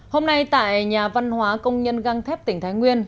hôm nay tại nhà văn hóa công nhân găng thép tỉnh thái nguyên